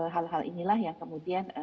hal hal inilah yang kemudian